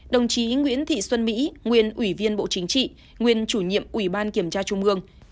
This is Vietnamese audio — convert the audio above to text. đồng chí nguyễn thị xuân mỹ nguyên ủy viên bộ chính trị nguyên chủ nhiệm ủy ban kiểm tra trung ương